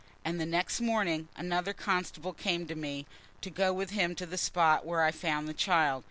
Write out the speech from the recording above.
And the next morning, another constable came to me, to go with him to the spot where I found the child.